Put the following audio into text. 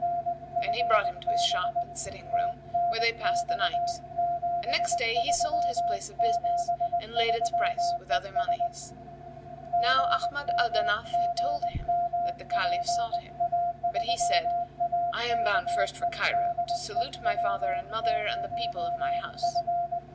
Then he brought him to his shop and sitting room where they passed the night; and next day he sold his place of business and laid its price with other monies. Now Ahmad al Danaf had told him that the Caliph sought him; but he said, "I am bound first for Cairo, to salute my father and mother and the people of my house."